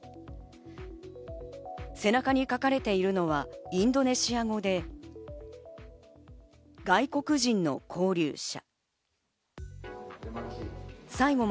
背中に書かれているのはインドネシア語で、外国人の勾留者。